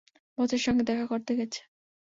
বসের সাথে দেখা করতে গেছে।